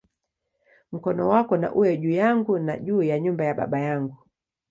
Mkono wako na uwe juu yangu, na juu ya nyumba ya baba yangu"!